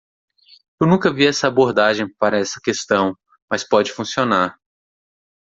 Eu nunca vi essa abordagem para essa questão?, mas pode funcionar.